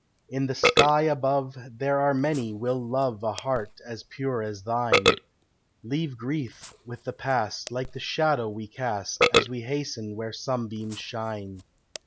In the sky above there are many will love A heart as pure as thine; Leave grief with the past, like the shadow we cast As we hasten where sunbeams shine."